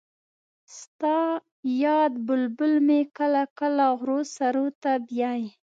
ستا یاد بلبل مې کله کله غرو سرو ته بیايي